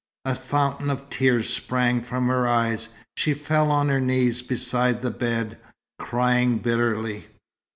A fountain of tears sprang from her eyes. She fell on her knees beside the bed, crying bitterly.